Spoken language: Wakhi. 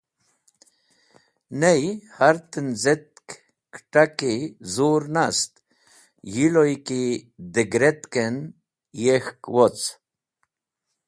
Ney, hẽr tenz̃etk kẽt̃aki zur nast yi loy ki dẽgẽretkẽn yik̃hk woc.